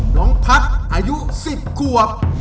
น้องภัทรอายุสิบขวบ